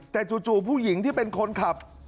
แต่จู่ผู้หญิงที่เป็นคนขับ